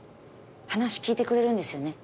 話聞いてくれるんですよね？